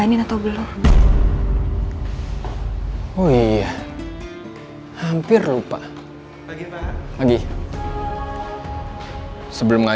terima kasih ma